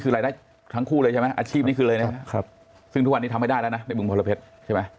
ครับครับซึ่งทุกวันนี้ทำไม่ได้แล้วนะในบุงพลเพชรใช่ไหม